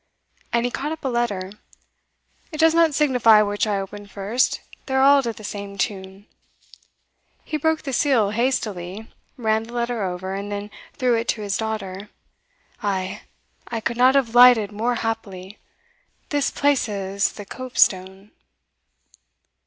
And he caught up a letter. "It does not signify which I open first they are all to the same tune." He broke the seal hastily, ran the letter over, and then threw it to his daughter. "Ay I could not have lighted more happily! this places the copestone."